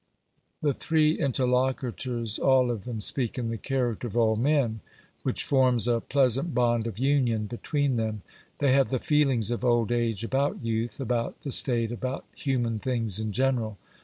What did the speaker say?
The three interlocutors all of them speak in the character of old men, which forms a pleasant bond of union between them. They have the feelings of old age about youth, about the state, about human things in general.